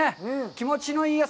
気持ちのいい朝。